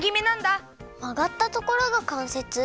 まがったところがかんせつ？